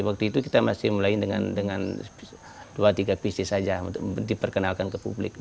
waktu itu kita masih mulai dengan dua tiga visi saja untuk diperkenalkan ke publik